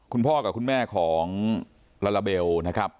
คุณพ่อกับคุณแม่ของลาลาเบลนะครับ